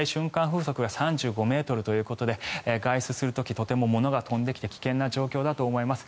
風速が３５ｍということで外出する時とても物が飛んできて危険な状況だと思います。